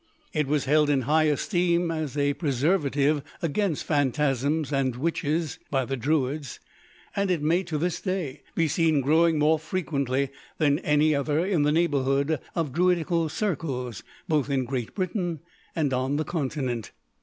It was held in high esteem, as a preservative against phantasms and witches, by the Druids, and it may to this day be seen growing, more frequently than any other, in the neighbourhood of Druidical circles, both in Great Britain and on the Continent.